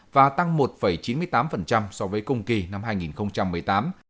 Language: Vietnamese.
và tăng một chín mươi tám so với cùng kỳ năm hai nghìn một mươi tám